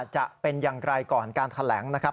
จะเป็นอย่างไรก่อนการแถลงนะครับ